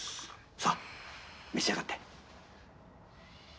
さあ召し上がって。